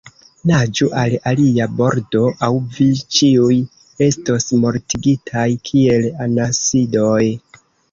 Naĝu al alia bordo, aŭ vi ĉiuj estos mortigitaj, kiel anasidoj!